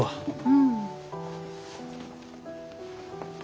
うん。